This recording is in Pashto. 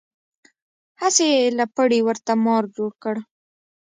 هسې یې له پړي ورته مار جوړ کړ.